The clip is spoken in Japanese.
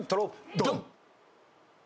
ドン！